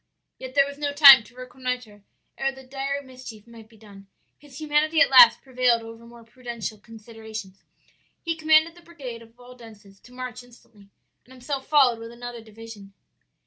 "Yet there was no time to reconnoitre ere the dire mischief might be done. His humanity at last prevailed over more prudential considerations. He commanded the brigade of Waldenses to march instantly, and himself followed with another division.